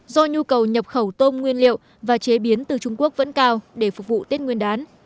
do nhu cầu nhập khẩu tôm nguyên liệu và chế biến từ trung quốc vẫn cao để phục vụ tết nguyên đán